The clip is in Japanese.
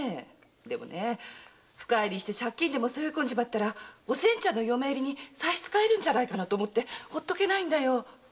でも深入りして借金でも背負い込んじまったらおせんちゃんの嫁入りに差し支えるんじゃないかとほっとけないんだよ。